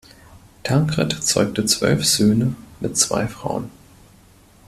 Tankred zeugte zwölf Söhne mit zwei Frauen.